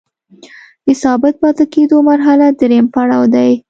د ثابت پاتې کیدو مرحله دریم پړاو دی.